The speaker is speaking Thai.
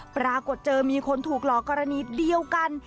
ปรากฏเจอมีคนถูกหลอกกรณีเดียวกัน